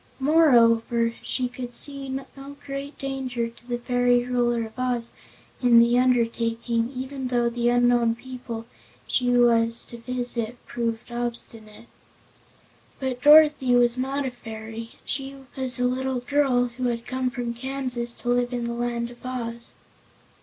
Moreover she could see no great danger to the fairy Ruler of Oz in the undertaking, even though the unknown people she was to visit proved obstinate. But Dorothy was not a fairy; she was a little girl who had come from Kansas to live in the Land of Oz.